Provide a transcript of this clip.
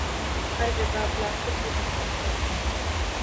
ہر جگہ پلاسٹک کی بھرمار ہے۔